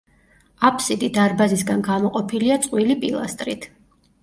აფსიდი დარბაზისგან გამოყოფილია წყვილი პილასტრით.